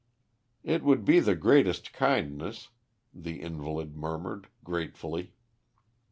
"It would be the greatest kindness," the invalid murmured gratefully.